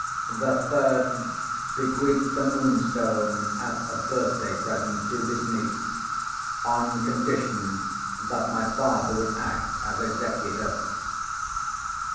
The third bequeathed the Moonstone as a birthday present to his niece, on condition that my father would act as executor.